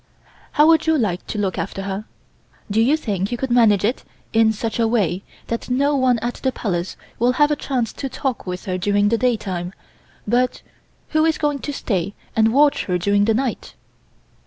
How would you like to look after her? Do you think you could manage it in such a way that no one at the Palace will have a chance to talk with her during the daytime, but who is going to stay and watch her during the night?"